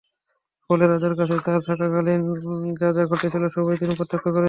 ফলে রাজার কাছে তাঁর থাকাকালীন যা যা ঘটছিল সবই তিনি প্রত্যক্ষ করছিলেন।